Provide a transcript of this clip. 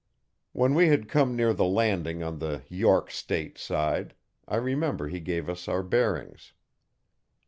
When we had come near the landing on the 'York State' side, I remember he gave us our bearings.